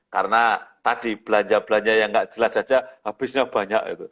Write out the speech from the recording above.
karena tadi belanja belanja yang gak jelas saja habisnya banyak